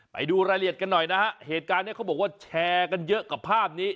ไปดูรายละเอียดกันหน่อยนะฮะเหตุการณ์นี้เขาบอกว่าแชร์กันเยอะกับภาพนี้